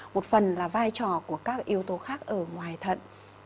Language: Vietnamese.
một phần là vai trò của các yếu tố khác ở ngoài thận